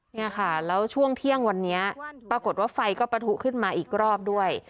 เนี่ยค่ะแล้วช่วงเที่ยงวันนี้ปรากฏว่าไฟก็ประทุขึ้นมาอีกรอบด้วย